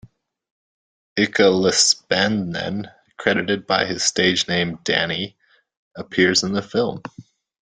Ilkka Lipsanen, credited by his stage-name "Danny", appears in the film.